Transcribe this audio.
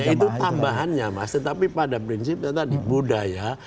ya itu tambahannya mas tetapi pada prinsip tadi budaya